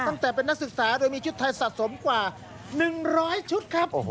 ตั้งแต่เป็นนักศึกษาโดยมีชุดไทยสะสมกว่า๑๐๐ชุดครับ